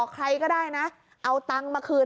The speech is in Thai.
ใครก็ได้นะเอาตังค์มาคืน